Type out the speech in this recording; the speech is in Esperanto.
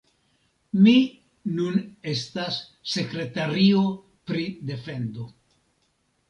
Mi nun estas sekretario pri defendo.